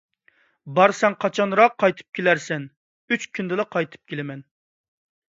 − بارساڭ قاچانراق قايتىپ كېلەرسەن؟ − ئۈچ كۈندىلا قايتىپ كېلىمەن.